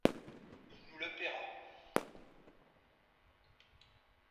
«Il nous le paiera.